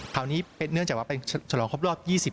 คราวนี้เป็นเนื่องจากว่าเป็นฉลองครบรอบ๒๐ปี